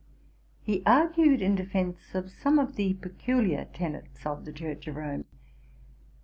He argued in defence of some of the peculiar tenets of the Church of Rome.